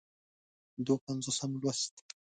دوه پينځوسم لوست